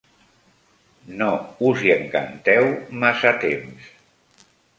...no us hi encanteu massa temps